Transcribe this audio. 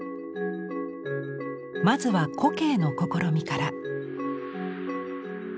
まずは古径の試みから。